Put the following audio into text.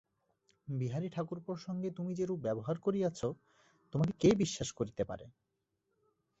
বিহারী-ঠাকুরপোর সঙ্গে তুমি যেরূপ ব্যবহার করিয়াছ, তোমাকে কে বিশ্বাস করিতে পারে।